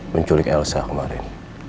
menculik elsa kemarin